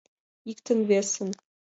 Иктын-весын